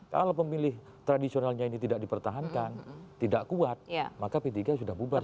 kalau pemilih tradisionalnya ini tidak dipertahankan tidak kuat maka p tiga sudah bubar